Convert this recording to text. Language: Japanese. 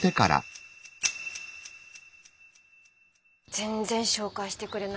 全然紹介してくれないから。